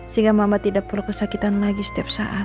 sehingga mama tidak perlu kesakitan lagi setiap saat